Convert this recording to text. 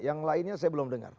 yang lainnya saya belum dengar